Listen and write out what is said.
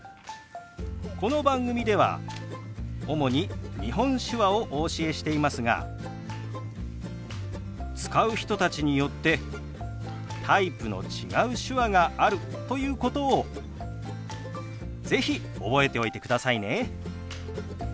この番組では主に日本手話をお教えしていますが使う人たちによってタイプの違う手話があるということを是非覚えておいてくださいね。